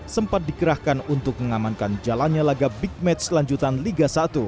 sempat dikerahkan untuk mengamankan jalannya laga big match selanjutan liga satu